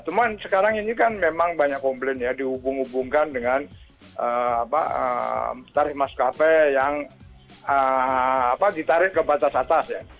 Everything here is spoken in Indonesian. cuman sekarang ini kan memang banyak komplain ya dihubung hubungkan dengan tarif maskapai yang ditarik ke batas atas ya